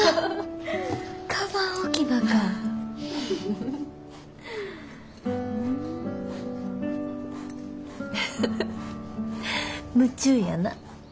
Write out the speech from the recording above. フフフフ夢中やな。